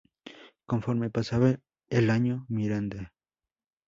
Conforme pasaba el año, Miranda!